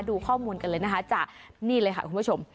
ดูข้อมูลกันเลยนะคะจากนี่เลยค่ะคุณผู้ชม